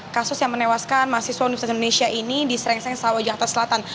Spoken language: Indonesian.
kasus yang menewaskan mahasiswa universitas indonesia ini di serengseng selawajah terselatan